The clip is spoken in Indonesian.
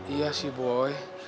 iya sih boy